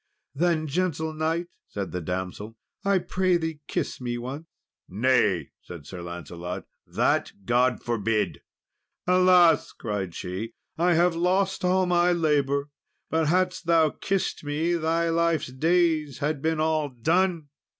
"Then, gentle knight," said the damsel, "I pray thee kiss me once." "Nay," said Sir Lancelot, "that God forbid!" "Alas!" cried she, "I have lost all my labour! but hadst thou kissed me, thy life's days had been all done!"